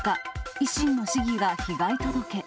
維新の市議が被害届。